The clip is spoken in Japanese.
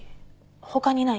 他にない？